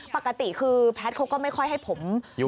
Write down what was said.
ปกติคือแพทย์เขาก็ไม่ค่อยให้ผมอยู่